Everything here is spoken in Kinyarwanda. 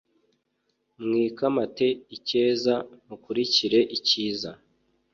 Mwikamate icyeza mukurikire icyiza